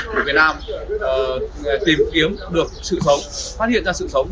tìm kiếm được sự sống phát hiện ra sự sống